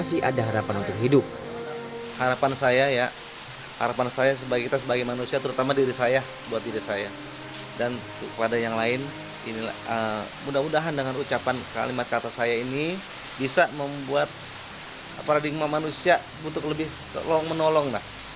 kini kasus kecelakaan maut masih di tangan nepalres subang dan baru menetapkan sopirnya menjadi tersangka